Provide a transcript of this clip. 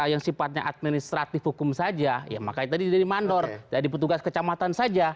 yang sifatnya administratif hukum saja ya makanya tadi jadi mandor jadi petugas kecamatan saja